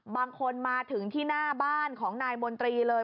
บางคนมาถึงที่หน้าบ้านของนายมนตรีเลย